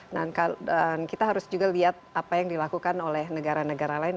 dan kita harus juga lihat apa yang dilakukan oleh negara negara lain